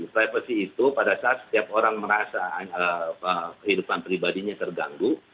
privacy itu pada saat setiap orang merasa kehidupan pribadinya terganggu